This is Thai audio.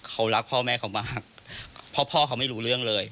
เขารักพ่อแม่เขามากเพราะพ่อเขาไม่รู้เรื่องเลย